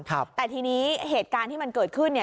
แต่ทีนี้เหตุการณ์ที่มันเกิดขึ้นเนี่ย